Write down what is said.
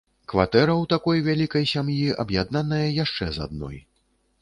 Кватэра ў такой вялікай сям'і аб'яднаная яшчэ з адной.